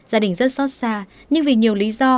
gia đình rất xót xa nhưng vì nhiều lý do